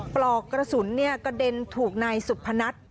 ปลอกกระสุนเนี่ยกระเด็นถูกในสุภณัฐ